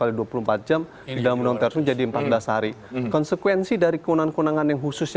di dalam undang undang tersebut menjadi empat belas hari konsekuensi dari keunangan keunangan yang khusus